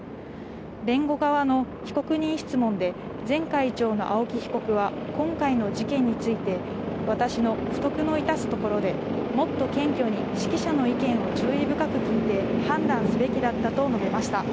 弁護側の被告人質問で、前会長の青木被告は、今回の事件について、私の不徳の致すところで、もっと謙虚に識者の意見を注意深く聞いて判断すべきだったと述べました。